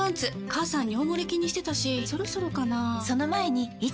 母さん尿モレ気にしてたしそろそろかな菊池）